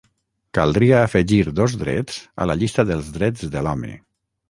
Caldria afegir dos drets a la llista dels drets de l'home.